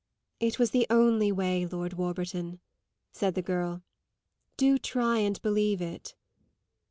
"It was the only way, Lord Warburton," said the girl. "Do try and believe that."